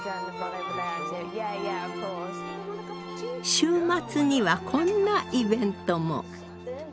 週末にはこんなイベントも。